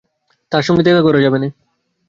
তাঁর সঙ্গে দেখা করা যাবে না।